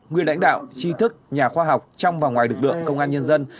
nguyên lãnh đạo chi thức nhà khoa học trong và ngoài lực lượng công an nhân dân